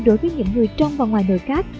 đối với những người trong và ngoài đội khác